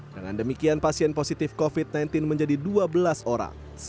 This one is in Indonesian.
dengan demikian pasien positif covid sembilan belas menjadi dua belas orang